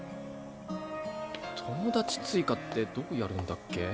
友達追加ってどうやるんだっけ？